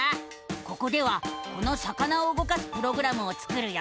ここではこの魚を動かすプログラムを作るよ！